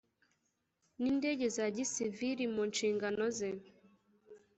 n indege za gisiviri mu nshingano ze